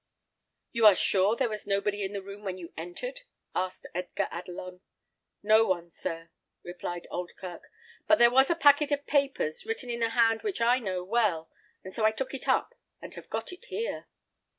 "You are sure there was nobody in the room when you entered?" asked Edgar Adelon. "No one, sir," replied Oldkirk; "but there was a packet of papers, written in a hand which I know well, and so I took it up, and have got it here."